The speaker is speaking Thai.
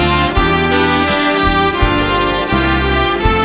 เอาโทษว่าทุกคนอยากได้